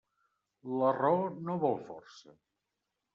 La raó no vol força.